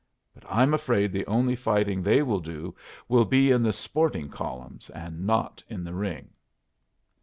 But I'm afraid the only fighting they will do will be in the sporting columns, and not in the ring."